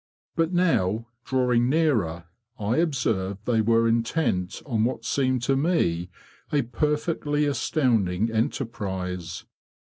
But now, drawing nearer, I observed they were intent on what seemed to me a perfectly astounding enter prise.